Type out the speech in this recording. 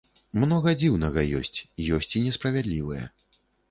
Многа дзіўнага ёсць, ёсць і несправядлівае.